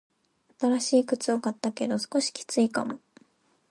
新しい靴を買ったけど、少しきついかも。